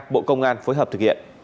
bộ công an phối hợp thực hiện